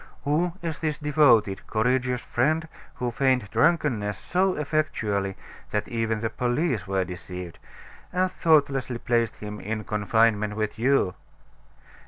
Who is this devoted, courageous friend who feigned drunkenness so effectually that even the police were deceived, and thoughtlessly placed him in confinement with you?